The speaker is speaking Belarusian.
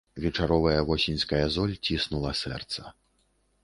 Вечаровая восеньская золь ціснула сэрца.